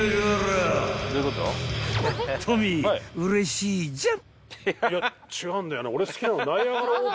［トミーうれしいじゃん］